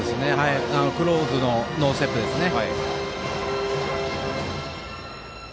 クローズのノーステップですね。